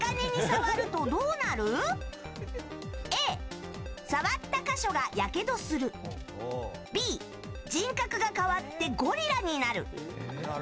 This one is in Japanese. Ａ、触った箇所がやけどするＢ、人格が変わってゴリラになる。